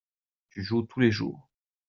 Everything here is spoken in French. tu joues tous les jours.